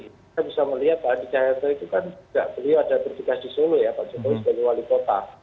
kita bisa melihat pak adi cahayanto itu kan beliau ada bertugas di solo ya pak jokowi sebagai wali kota